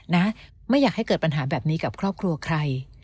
นะไม่อยากให้เกิดปัญหาแบบนี้กับครอบครัวใคร